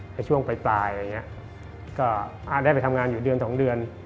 ในช่วงปลายก็ได้ไปทำงานอยู่เดือนเดือน